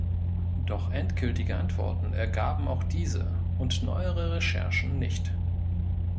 Doch endgültige Antworten ergaben auch diese und neuere Recherchen nicht.